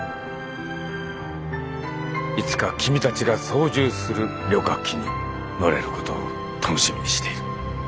いつか君たちが操縦する旅客機に乗れることを楽しみにしている。